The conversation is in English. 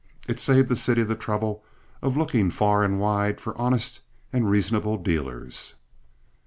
It saved the city the trouble of looking far and wide for honest and reasonable dealers.